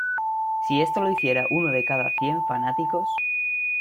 Si esto lo hiciera uno de cada cien fanáticos